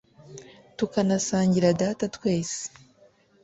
tukanasangira data twese,